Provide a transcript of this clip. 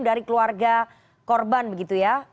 dari keluarga korban begitu ya